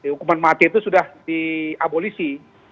hukuman mati itu sudah diabolisi